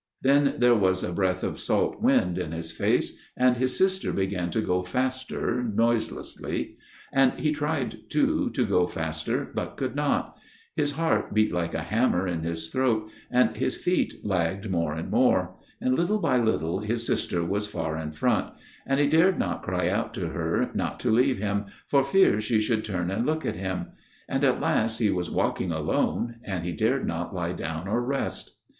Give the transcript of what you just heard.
" Then there was a breath of salt wind in his face, and his sister began to go faster, noiselessly ; and he tried too to go faster, but could not ; his heart beat like a hammer in his throat, and his feet lagged more and more ; and little by little his sister was far in front ; and he dared not cry out to her not to leave him, for fear she should turn and look at him ; and at last he was walking alone ; and he dared not lie down or rest.